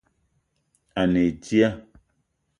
A ne dia